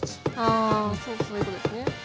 あそういうことですね。